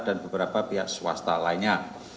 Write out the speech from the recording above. dan beberapa pihak swasta lainnya